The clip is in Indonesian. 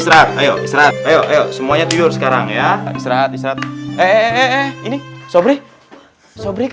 saturday semuanya tidur sekarang ya istirahat istirahat eh ini sebenarnya